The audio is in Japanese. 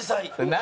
何？